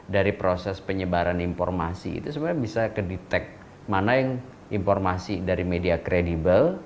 dari proses penyebaran informasi itu sebenarnya bisa kedetek mana yang informasi dari media kredibel